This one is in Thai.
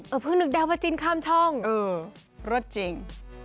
เออพึ่งนึกได้ว่าจินข้ามช่องอืมเลิศจริง